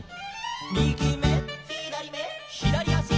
「みぎめ」「ひだりめ」「ひだりあし」